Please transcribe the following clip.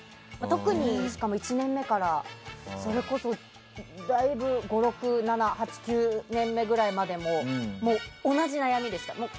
特に１年目からそれこそ９年目ぐらいまでも同じ悩みでした。